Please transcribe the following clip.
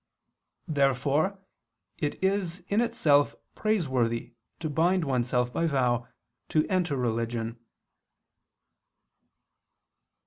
Therefore it is in itself praiseworthy to bind oneself by vow to enter religion.